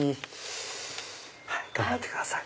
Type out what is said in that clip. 頑張ってください。